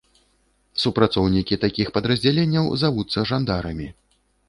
Супрацоўнікі такіх падраздзяленняў завуцца жандарамі.